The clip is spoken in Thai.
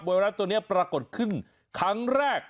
ไวรัสตัวนี้ปรากฏขึ้นครั้งแรก